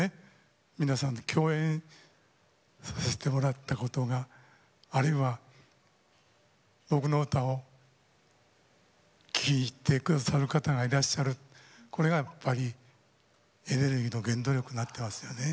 皆さんと共演させてもらったことが、あるいは僕の歌を聴いてくださる方がいらっしゃる、これがやっぱりエネルギーの原動力になっていますよね。